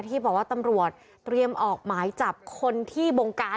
ที่บอกว่าตำรวจเตรียมออกหมายจับคนที่บงการ